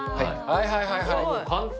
はいはいはい、簡単。